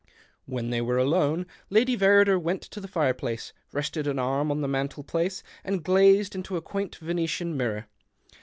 When they were alone, Lady Verrider went ) the fireplace, rested an arm on the mantel iece and gazed into a quaint Venetian lirror.